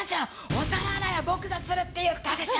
お皿洗いは僕がするって言ったでしょ！